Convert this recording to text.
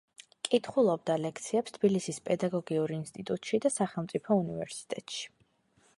კითხულობდა ლექციებს თბილისის პედაგოგიურ ინსტიტუტში და სახელმწიფო უნივერსიტეტში.